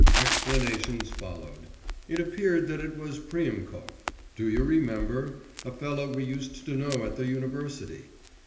Explanations followed; it appeared that it was Priemkov do you remember? a fellow we used to know at the university.